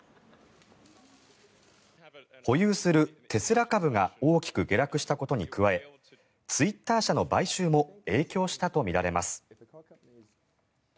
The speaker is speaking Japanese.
保有するテスラ株が大きく下落したことに加えツイッター社の買収も影響したとみられます。